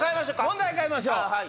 問題変えましょう。